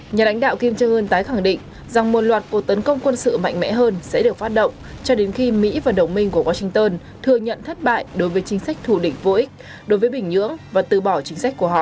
nhà lãnh đạo kim jong un tái khẳng định rằng một loạt cuộc tấn công quân sự mạnh mẽ hơn sẽ được phát động cho đến khi mỹ và đồng minh của washington thừa nhận thất bại đối với chính sách thù địch vô ích đối với bình nhưỡng và từ bỏ chính sách của họ